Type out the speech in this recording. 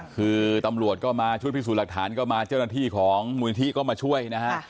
คือตำรวจก็มาชุดพิสูจน์หลักฐานก็มาเจ้าหน้าที่ของมูลนิธิก็มาช่วยนะฮะ